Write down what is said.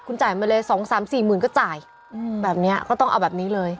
คุณจ่ายมาเลยสองสามสี่หมื่นก็จ่ายอืมแบบเนี้ยก็ต้องเอาแบบนี้เลย